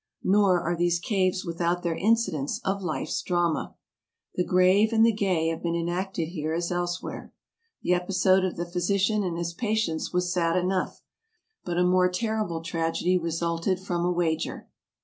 Nor are these caves without their incidents of life's drama. The grave and the gay have been enacted here as elsewhere. The episode of the physician and his patients was sad enough, but a more terrible tragedy resulted from a wager.